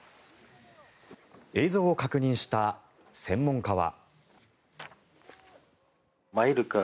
映像を確認した専門家は。